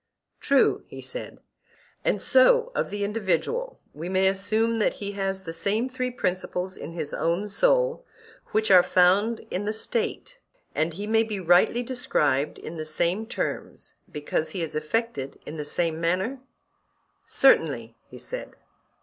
True, he said. And so of the individual; we may assume that he has the same three principles in his own soul which are found in the State; and he may be rightly described in the same terms, because he is affected in the same manner? Certainly, he said.